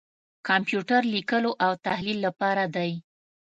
کمپیوټر لیکلو او تحلیل لپاره دی.